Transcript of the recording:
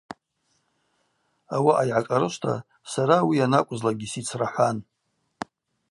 Ауаъа йгӏашӏарышвта сара ауи йанакӏвызлакӏгьи сицрахӏван.